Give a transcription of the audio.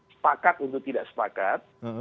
sepakat untuk tidak sepakat